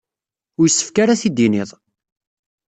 Ur yessefk ara ad t-id-tinid.